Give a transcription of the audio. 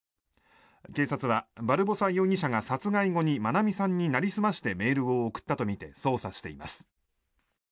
警察はバルボサ容疑者が殺害後に愛美さんになりすましてメールを送ったとみて捜査しています。